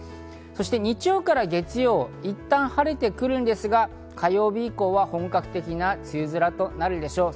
そして日曜から月曜はいったん晴れてくるんですが、火曜日以降は本格的な梅雨空となるでしょう。